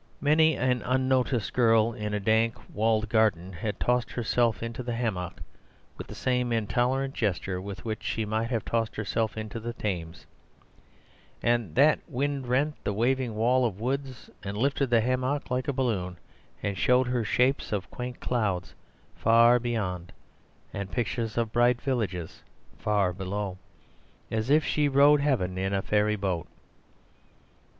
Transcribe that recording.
Many an unnoticed girl in a dank walled garden had tossed herself into the hammock with the same intolerant gesture with which she might have tossed herself into the Thames; and that wind rent the waving wall of woods and lifted the hammock like a balloon, and showed her shapes of quaint clouds far beyond, and pictures of bright villages far below, as if she rode heaven in a fairy boat.